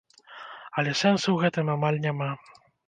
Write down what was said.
Але сэнсу ў гэтым амаль няма.